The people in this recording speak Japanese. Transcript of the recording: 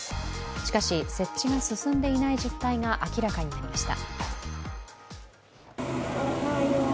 しかし、設置が進んでいない実態が明らかになりました。